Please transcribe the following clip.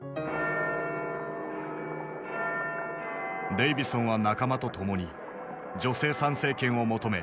デイヴィソンは仲間と共に女性参政権を求め